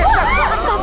tidak tidak tidak